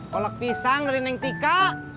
kolek pisang dari neng tika